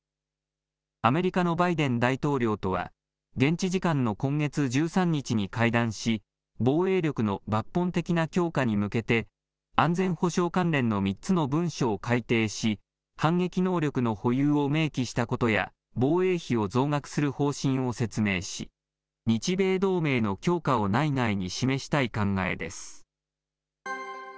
アメリカのバイデン大統領とは、現地時間の今月１３日に会談し、防衛力の抜本的な強化に向けて、安全保障関連の３つの文書を改定し、反撃能力の保有を明記したことや、防衛費を増額する方針を説明し、日米同盟の強化を内外に示したい考えです。